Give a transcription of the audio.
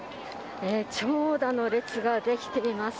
長蛇の列が出来ています。